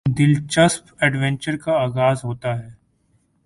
دلچسپ ایڈونچر کا آغاز ہوتا ہے